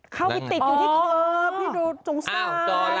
เข้าไปติดอยู่ที่เคิร์บที่โดดตรงซ้าย